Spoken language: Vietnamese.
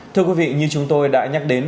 thưa quý vị như chúng tôi đã nhắc đến